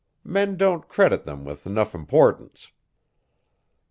Men don't credit them with 'nough importance."